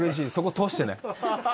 そこ通してね。